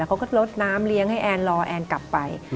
เขาก็ลดน้ำเลี้ยงให้แอนรอแอนกลับไป